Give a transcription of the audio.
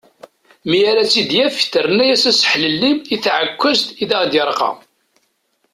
Mi ara tt-id-yaf terna-yas aseḥlelli i tεekkazt i d aɣ-yerqa.